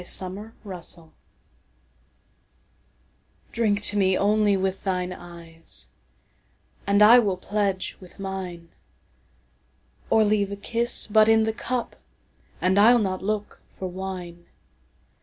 To Celia DRINK to me only with thine eyes, And I will pledge with mine; Or leave a kiss but in the cupAnd I'll not look for wine.